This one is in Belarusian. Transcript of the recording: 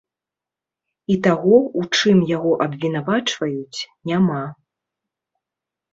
І таго, у чым яго абвінавачваюць, няма.